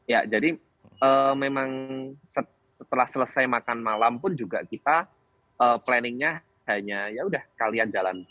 ya jadi memang setelah selesai makan malam pun juga kita planningnya hanya yaudah sekalian jalan